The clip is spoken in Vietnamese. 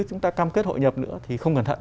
chúng ta cam kết hội nhập nữa thì không cẩn thận